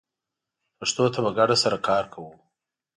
پښتو ته په ګډه سره کار کوو